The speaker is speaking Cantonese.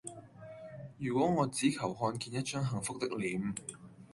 如果我只求看見一張幸福的臉